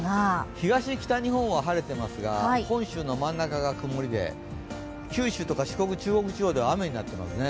東・北日本は晴れていますが、本州の真ん中が曇りで九州とか、四国、中国地方は、雨になってますね。